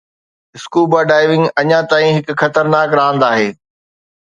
scuba diving اڃا تائين هڪ خطرناڪ راند آهي